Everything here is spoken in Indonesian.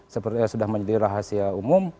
seperti yang sudah menjadi rahasia umum